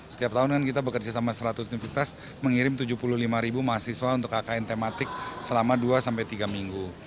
setiap tahun kan kita bekerja sama seratus universitas mengirim tujuh puluh lima ribu mahasiswa untuk kkn tematik selama dua sampai tiga minggu